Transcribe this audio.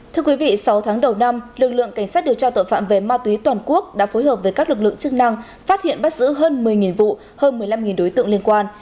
thưa quý vị sáu tháng đầu năm lực lượng cảnh sát điều tra tội phạm về ma túy toàn quốc đã phối hợp với các lực lượng chức năng phát hiện bắt giữ hơn một mươi vụ hơn một mươi năm đối tượng liên quan